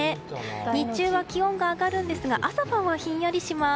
日中は気温が上がるんですが朝晩はひんやりします。